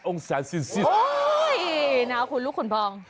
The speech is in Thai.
โอ้ยหนาวขุนลุงขุนพรอง